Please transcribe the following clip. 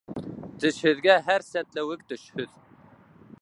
Тешһеҙгә һәр сәтләүек төшһөҙ.